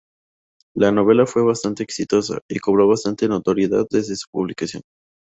La novela fue bastante exitosa y cobró bastante notoriedad desde su publicación.